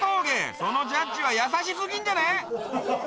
そのジャッジは優しすぎんじゃねえ！？